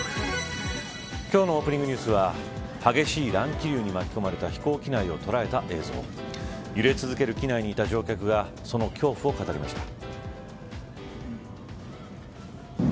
今日のオープニングニュースは激しい乱気流に巻き込まれた飛行機内を捉えた映像揺れ続ける機内にいた乗客がその恐怖を語りました。